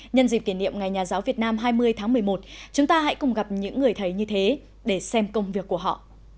nhân dịp kỷ niệm ngày nhà giáo việt nam hai mươi tháng một mươi một chúng ta hãy cùng gặp những người thầy như thế để xem công việc của họ